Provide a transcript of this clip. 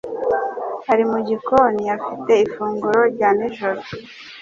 ari mu gikoni, afite ifunguro rya nijoro.